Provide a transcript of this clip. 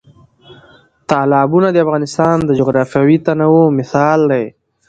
تالابونه د افغانستان د جغرافیوي تنوع مثال دی.